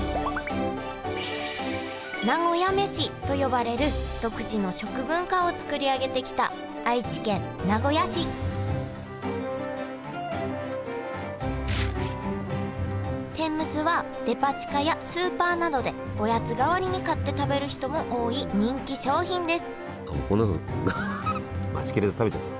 「なごやめし」と呼ばれる独自の食文化をつくり上げてきた愛知県名古屋市天むすはデパ地下やスーパーなどでおやつ代わりに買って食べる人も多い人気商品ですあっ